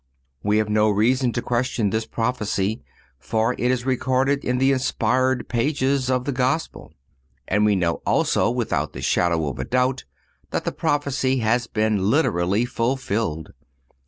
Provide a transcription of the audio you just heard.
We have no reason to question this prophecy, for it is recorded in the inspired pages of the Gospel. And we know also without the shadow of a doubt that the prophecy has been literally fulfilled.